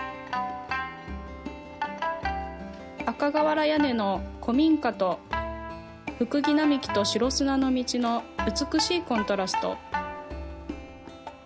赤瓦屋根の古民家とフクギ並木と白砂の道の美しいコントラスト。